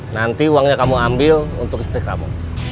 nanti uangnya kamu ambil untuk istri kamu